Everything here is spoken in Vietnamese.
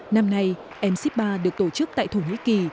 năm nay mc ba được tổ chức tại thổ nhĩ kỳ